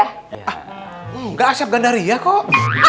ah nggak asyaf gandaria kok